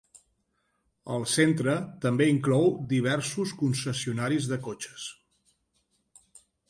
El centre també inclou diversos concessionaris de cotxes.